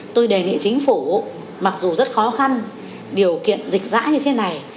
tôi đề nghị chính phủ mặc dù rất khó khăn điều kiện dịch dã như thế này